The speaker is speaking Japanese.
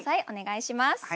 お願いします。